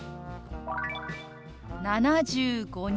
「７５人」。